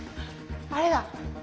あれだ。